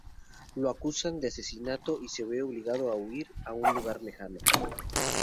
Lo acusan de asesinato y se ve obligado a huir a un lugar lejano.